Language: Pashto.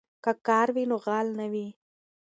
که کار وي نو غال نه وي.